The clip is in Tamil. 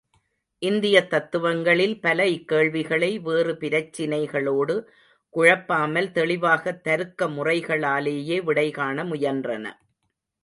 இந்தியத் தத்துவங்களில் பல இக்கேள்விகளைவேறு பிரச்சினைகளோடு குழப்பாமல், தெளிவாகத் தருக்க முறைகளாலேயே விடைகாண முயன்றன.